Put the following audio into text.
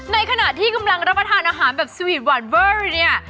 ในขณะที่กำลังรับประทานอาหารแบบสวีทหวานเวอร์อยู่เนี่ย